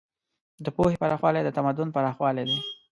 د پوهې پراخوالی د تمدن پراخوالی دی.